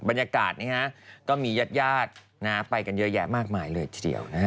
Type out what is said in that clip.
บรรยากาศก็มีญาติไปกันเยอะแยะมากมายเลยทีเดียว